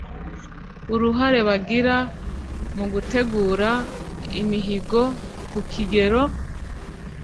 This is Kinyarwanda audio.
uruhare bagira mu gutegura imihigo ku kigero